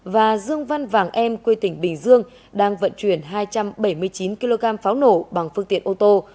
và dương văn vàng em quê tỉnh bình dương đang vận chuyển hai trăm bảy mươi chín kg pháo nổ bằng phương tiện ô tô